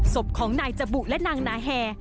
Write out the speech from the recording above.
ศพของนายจบุและนางนาแฮ